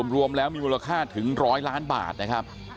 รวมแล้วมีมูลค่าถึง๑๐๐ล้านบาทนะครับ